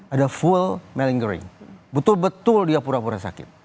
ada full malingering betul betul dia pura pura sakit